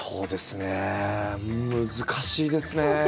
難しいですね。